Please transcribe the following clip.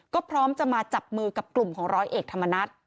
ก็พร้อมจะมาจับมือกับกลุ่มของร้อยเอกธรรมนัฐ